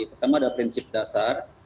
pertama ada prinsip dasar